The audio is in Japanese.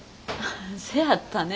せやったね。